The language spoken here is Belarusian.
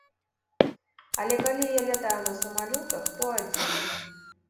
Але калі я лятаю на самалётах, то адзін.